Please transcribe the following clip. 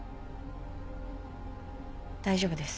大丈夫です。